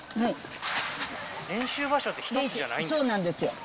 練習場所って、１つじゃないんですか？